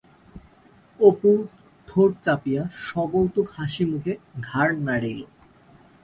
অপু ঠোঁট চাপিয়া সকৌতুক হাসিমুখে ঘাড় নাড়িল।